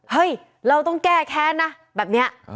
เฮ้ยเราต้องแก้แค้นนะแบบนี้